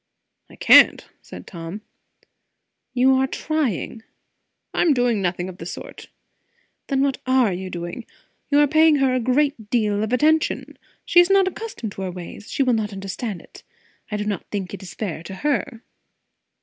"I can't," said Tom. "You are trying." "I am doing nothing of the sort." "Then what are you doing? You are paying her a great deal of attention. She is not accustomed to our ways; she will not understand it. I do not think it is fair to her."